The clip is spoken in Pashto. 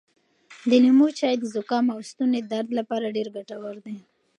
د لیمو چای د زکام او ستوني درد لپاره ډېر ګټور دی.